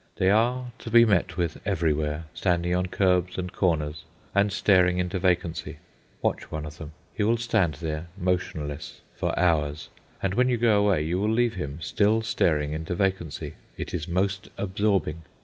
They are to be met with everywhere, standing on curbs and corners, and staring into vacancy. Watch one of them. He will stand there, motionless, for hours, and when you go away you will leave him still staring into vacancy. It is most absorbing.